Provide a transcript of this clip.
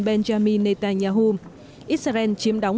benjamin netanyahu israel chiếm đóng